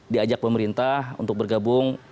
diajak pemerintah untuk bergabung